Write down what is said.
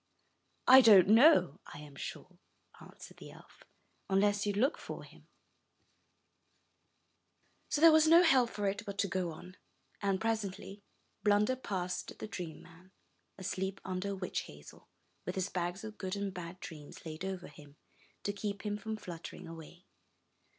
"I don't know, I am sure," answered the elf, "unless you look for him." 317 MY BOOK HOUSE ' So there was no help for it but to go on; and presently Blunder passed the Dream man, asleep under a witch hazel, with his bags of good and bad dreams laid over him to keep him from fluttering away.